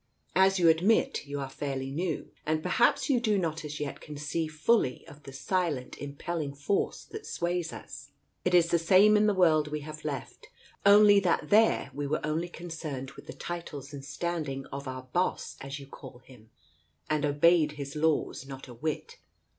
As you admit, you are fairly new, and perhaps you do not as yet conceive fully of the silent impelling force that sways us. It is the same in the world we have left, only that there we were only concerned with the titles and standing of our ' boss,' as you call Him, and obeyed His laws not a whit.